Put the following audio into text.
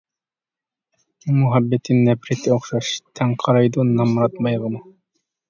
مۇھەببىتى نەپرىتى ئوخشاش، تەڭ قارايدۇ نامرات، بايغىمۇ.